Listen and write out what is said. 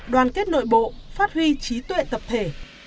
đoàn kết nội bộ phát huy trí tuệ tập thể